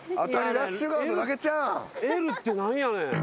Ｌって何やねん。